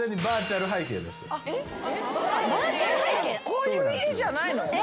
こういう家じゃないの？